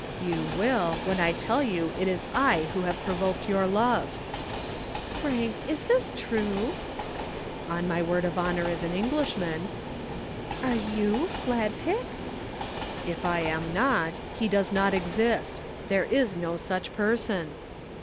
"You will, when I tell you it is I who have provoked your love." "Frank, is this true?" "On my word of honor as an Englishman." "You are Fladpick?" "If I am not, he does not exist. There is no such person."